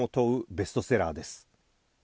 ベストセラーです。